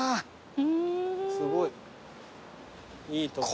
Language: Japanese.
すごい。いいとこだ。